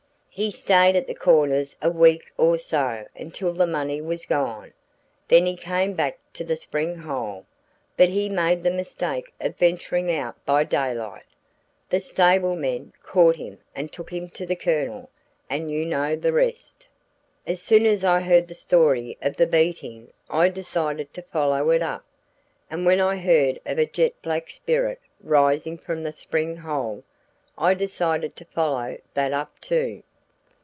"He stayed at the Corners a week or so until the money was gone, then he came back to the spring hole. But he made the mistake of venturing out by daylight; the stable men caught him and took him to the Colonel, and you know the rest. "As soon as I heard the story of the beating I decided to follow it up; and when I heard of a jet black spirit rising from the spring hole, I decided to follow that up too.